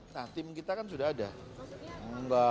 nah tim kita kan sudah ada